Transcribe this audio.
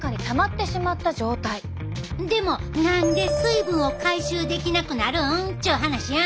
でも何で水分を回収できなくなるんっちゅう話やん。